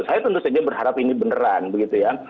saya tentu saja berharap ini beneran begitu ya